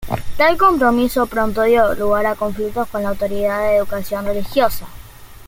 Tal compromiso pronto dio lugar a conflictos con la autoridad de educación religiosa.